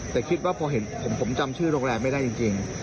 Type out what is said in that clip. แต่คิดว่าพอเห็นผมจำชื่อโรงแรมไม่ได้จริง